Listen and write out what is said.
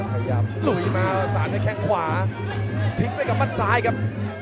พยายามหลุยมาสามารถให้แข่งขวาทิ้งไปกับบ้านซ้ายครับ